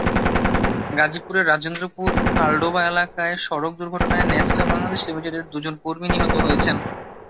গাজীপুরের রাজেন্দ্রপুর হালডোবা এলাকায় সড়ক দুর্ঘটনায় নেসলে বাংলাদেশ লিমিটেডের দুজন কর্মী নিহত হয়েছেন।